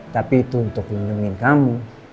tapi itu untuk melindungi kamu